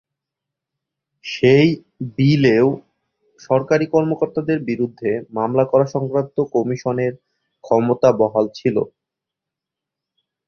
সেই বিলেও সরকারি কর্মকর্তাদের বিরুদ্ধে মামলা করা সংক্রান্ত কমিশনের ক্ষমতা বহাল ছিল।